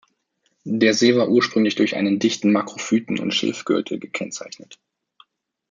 Der See war ursprünglich durch einen dichten Makrophyten- und Schilfgürtel gekennzeichnet.